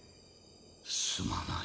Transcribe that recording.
すまない。